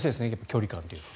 距離感というのは。